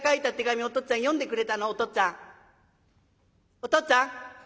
お父っつぁん？」